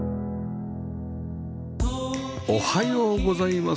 おはようございます。